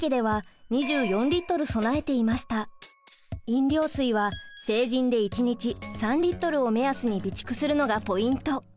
飲料水は成人で１日３リットルを目安に備蓄するのがポイント。